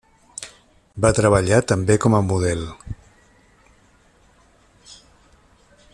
Va treballar també com a model.